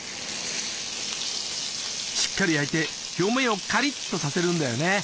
しっかり焼いて表面をカリッとさせるんだよね。